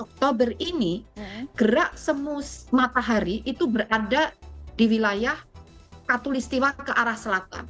oktober ini gerak semus matahari itu berada di wilayah katolik setiwa keselatan